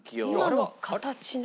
今の形ね。